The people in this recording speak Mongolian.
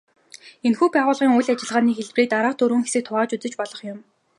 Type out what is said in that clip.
Энэхүү байгууллагуудын үйл ажиллагааны хэлбэрийг дараах дөрвөн хэсэгт хуваан үзэж болох юм.